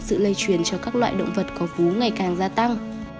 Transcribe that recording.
sự lây truyền cho các loại động vật có vú ngày càng gia tăng